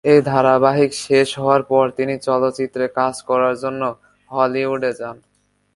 এই ধারাবাহিক শেষ হওয়ার পর তিনি চলচ্চিত্রে কাজ করার জন্য হলিউডে যান।